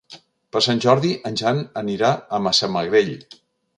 Per Sant Jordi en Jan anirà a Massamagrell.